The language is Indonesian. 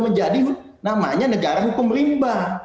menjadi namanya negara hukum rimba